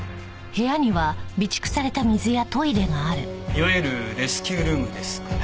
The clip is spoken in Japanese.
いわゆるレスキュールームですかね。